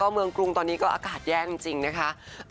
เมืองกรุงตอนนี้ก็อากาศแย่จริงนะคะ